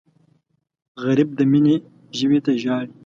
غریب د مینې ژبې ته ژاړي